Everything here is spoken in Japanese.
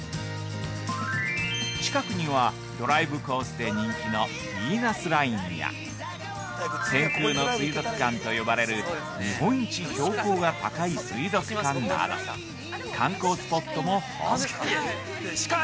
近くには、ドライブコースで人気のビーナスラインや天空の水族館と呼ばれる日本一標高が高い水族館など観光スポットも豊富。